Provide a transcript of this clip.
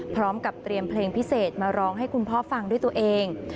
พร้อมกับเตรียมเพลงพิเศษมาร้องให้คุณพ่อฟังด้วยตัวเอง